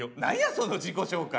その自己紹介。